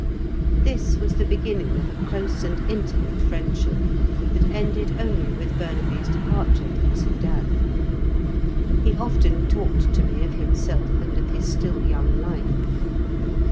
This was the beginning of a close and intimate friendship, that ended only with Burnaby's departure for the Soudan. He often talked to me of himself and of his still young life.